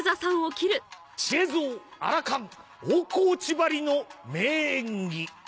千恵蔵アラカン大河内ばりの名演技。